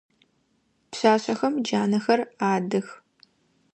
Пшъашъэхэм джанэхэр адых.